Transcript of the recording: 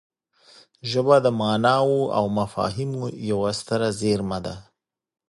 ژبه د ماناوو او مفاهیمو یوه ستره زېرمه ده